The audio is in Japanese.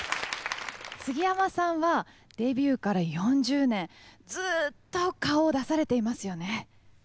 杉山さんはデビューから４０年ずっと顔を出されていますよね。